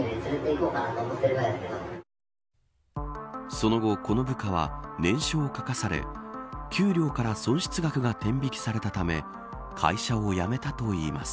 その後、この部下は念書を書かされ給料から損失額が天引きされたため会社を辞めたといいます。